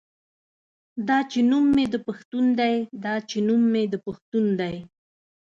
دا چې نوم مې د پښتون دے دا چې نوم مې د پښتون دے